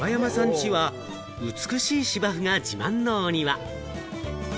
家は美しい芝生が自慢のお庭。